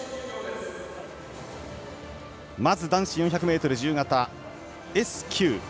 まず男子４００ｍ自由形Ｓ９。